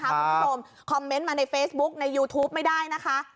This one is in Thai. คุณผู้ชมคอมเมนต์มาในเฟซบุ๊กในยูทูปไม่ได้นะคะ